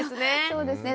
そうですね。